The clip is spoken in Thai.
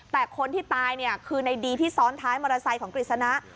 แต่คนที่ตายเนี่ยคือในดีที่ซ้อนท้ายมอเตอร์ไซค์ของกฤษณะ